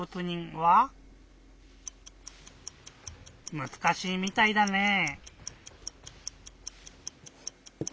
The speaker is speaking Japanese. むずかしいみたいだねぇ。